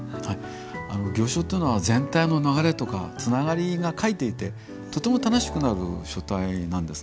行書というのは全体の流れとかつながりが書いていてとても楽しくなる書体なんですね。